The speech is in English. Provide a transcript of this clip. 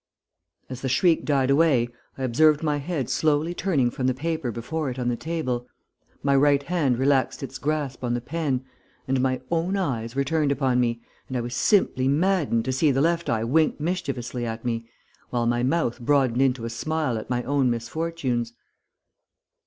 "As the shriek died away I observed my head slowly turning from the paper before it on the table, my right hand relaxed its grasp on the pen, and my own eyes were turned upon me, and I was simply maddened to see the left eye wink mischievously at me, while my mouth broadened into a smile at my own misfortunes.